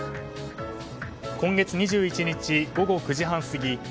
今月２１日午後９時半過ぎ